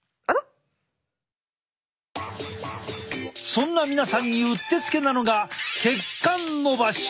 そんな皆さんにうってつけなのが血管のばし。